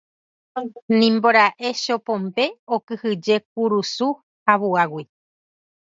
Nimbora'e Chopombe okyhyje kurusu ha vuágui.